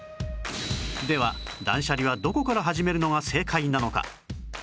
では断捨離はどこから始めるのが正解なのか